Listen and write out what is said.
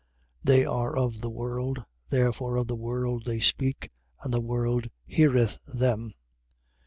4:5. They are of the world. Therefore of the world they speak: and the world heareth them.